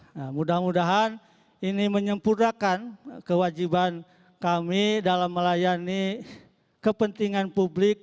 nah mudah mudahan ini menyempurnakan kewajiban kami dalam melayani kepentingan publik